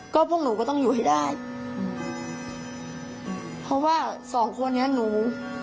ก็พวกหนูก็ต้องอยู่ให้ได้เพราะว่าสองคนนี้หนู